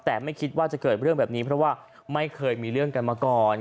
แต่ไม่คิดว่าจะเกิดเรื่องแบบนี้เพราะว่าไม่เคยมีเรื่องกันมาก่อน